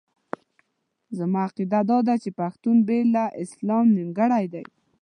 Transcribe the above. زما عقیده داده چې پښتون بې له اسلام نیمګړی دی.